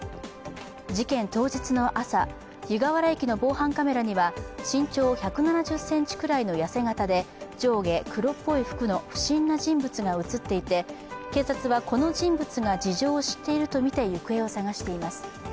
事件当日の朝、湯河原駅の防犯カメラには身長１７０ｃｍくらいの痩せ型で上下黒っぽい服の不審な人物が映っていて、警察はこの人物が事情を知っているとみて行方を捜しています。